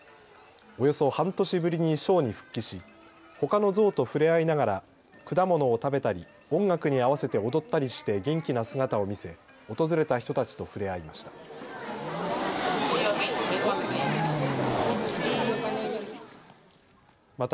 およそ半年ぶりにショーに復帰し、ほかのゾウと触れ合いながら果物を食べたり音楽に合わせて踊ったりして元気な姿を見せ訪れた人たちと触れ合いました。